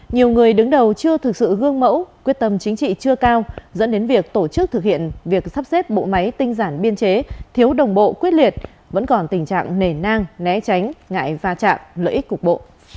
nhiều người đứng đầu chưa thực sự gương mẫu quyết tâm chính trị chưa cao dẫn đến việc tổ chức thực hiện việc sắp xếp bộ máy tinh giản biên chế thiếu đồng bộ quyết liệt vẫn còn tình trạng nề nang né tránh ngại va chạm lợi ích cục bộ